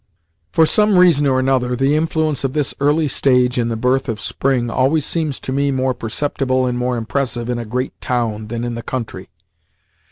For some reason or another the influence of this early stage in the birth of spring always seems to me more perceptible and more impressive in a great town than in the country.